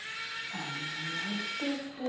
あの内視鏡って？